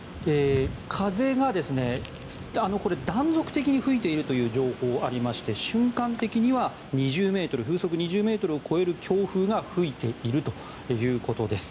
風が断続的に吹いている情報がありまして瞬間的には風速２０ｍを超える強風が吹いているということです。